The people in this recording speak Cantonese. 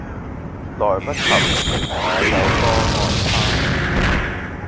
來不及說我有多愛他